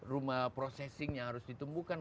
rumah processingnya harus ditumbuhkan